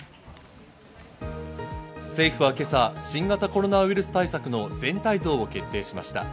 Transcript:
政府は今朝、新型コロナウイルス対策の全体像を決定しました。